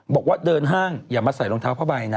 บอกว่าเดินห้างอย่ามาใส่รองเท้าผ้าใบนะ